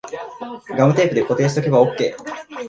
ガムテープで固定しとけばオッケー